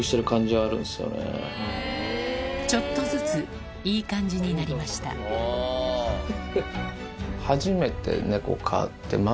ちょっとずついい感じになりましたたぶん。